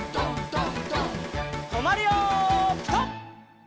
とまるよピタ！